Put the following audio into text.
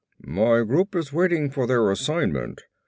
"My group is waiting for their assignment."